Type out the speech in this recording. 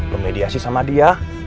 lo mediasi sama dia